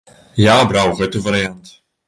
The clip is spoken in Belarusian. Я абраў гэты варыянт.